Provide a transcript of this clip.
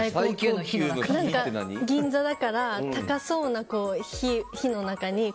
銀座だから高そうな火の中に。